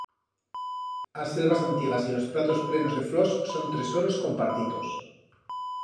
As selvas antigas y ros pratos plenos de flors son tresoros compartitos.